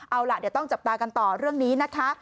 เอาล่ะอย่าต้องจับตากันต่อ